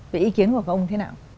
vậy ý kiến của các ông thế nào